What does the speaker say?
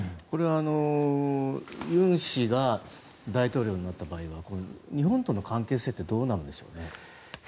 これ、ユン氏が大統領になった場合は日本との関係性ってどうなんでしょうね。